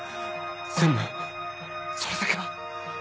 専務それだけは。